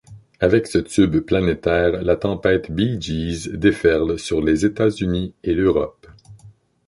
Avec ce tube planétaire la tempête Bee Gees déferle sur les États-Unis et l'Europe.